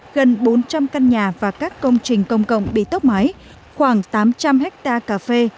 gần bốn trăm linh căn nhà và các công trình công cộng bị tốc mái khoảng tám trăm linh hectare cà phê